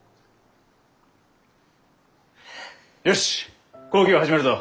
よし講義を始めるぞ！